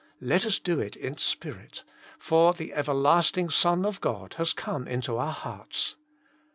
Let us do it in spirit, for the everlasting Son of God has come into our hearts.